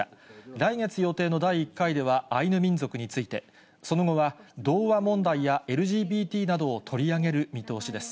来月予定の第１回ではアイヌ民族について、その後は同和問題やＬＧＢＴなどを取り上げる見通しです。